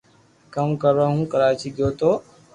ڪوم ڪروا ھون ڪراچي گيو تو